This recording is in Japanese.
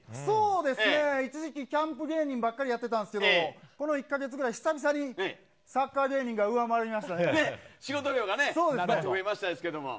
一時期、キャンプ芸人ばっかりやってたんですけどこの１か月くらい久々にサッカー芸人が仕事量が増えましたね。